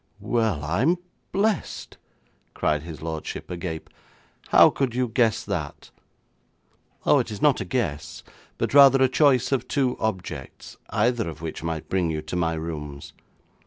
'Well, I'm blessed!' cried his lordship, agape. 'How could you guess that?' 'Oh, it is not a guess, but rather a choice of two objects, either of which might bring you to my rooms.